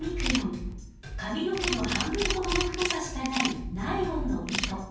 髪の毛の半分ほどの太さしかないナイロンの糸。